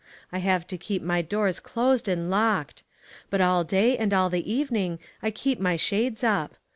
I have to keep my doors closed and locked. But all day and all the evening I keep my HEDGED IN. shades up.